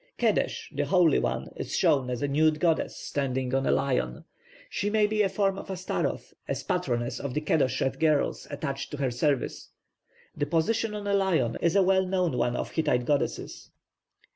+Qedesh+, 'the holy one,' is shown as a nude goddess standing on a lion; she may be a form of Ashtaroth, as patroness of the qedosheth girls attached to her service. The position on a lion is a well known one of Hittite goddesses.